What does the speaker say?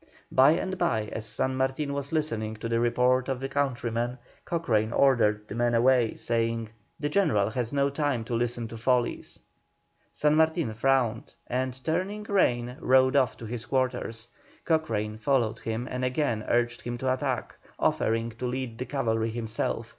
By and by, as San Martin was listening to the report of a countryman, Cochrane ordered the man away, saying: "The General has no time to listen to follies." San Martin frowned, and, turning rein, rode off to his quarters. Cochrane followed him and again urged him to attack, offering to lead the cavalry himself.